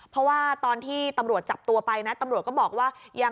เพราะว่าตอนที่ตำรวจจับตัวไปนะตำรวจก็บอกว่า